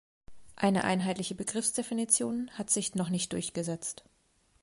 Eine einheitliche Begriffsdefinition hat sich noch nicht durchgesetzt.